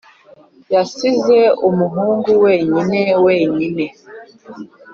yasize umuhungu wenyine, wenyine